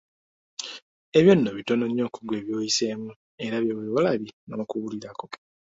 Ebyo nno bitono nnyo ku ggwe by'oyiseemu era bye wali olabye n'okuwulirako.